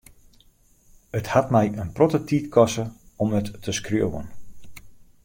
It hat my in protte tiid koste om it te skriuwen.